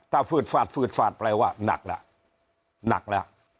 ถ้าฝืดฝาดฝืดฝาดแปลว่าหนักละหนักละ